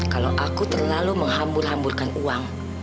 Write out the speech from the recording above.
kalau aku terlalu menghambur hamburkan uang